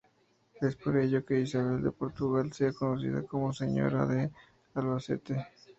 Es por ello que Isabel de Portugal sea conocida como "señora de Albacete".